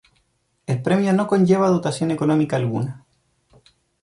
El premio no conlleva dotación económica alguna.